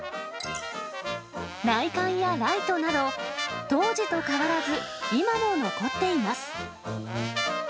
内観やライトなど、当時と変わらず今も残っています。